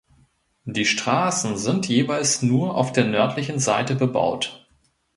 Die Straßen sind jeweils nur auf der nördlichen Seite bebaut.